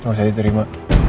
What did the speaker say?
oh saya terima